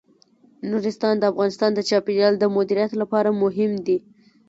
نورستان د افغانستان د چاپیریال د مدیریت لپاره مهم دي.